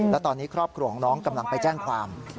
และตอนนี้ครอบครัวของน้องกำลังไปแจ้งความ